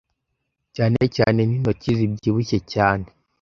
cyane cyane n'intoki zibyibushye cyane